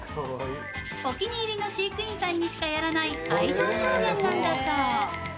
お気に入りの飼育員さんにしかやらない愛情表現なんだそう。